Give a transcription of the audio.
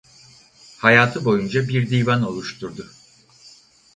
Hayatı boyunca bir divan oluşturdu.